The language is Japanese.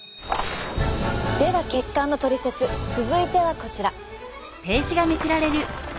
では血管のトリセツ続いてはこちら。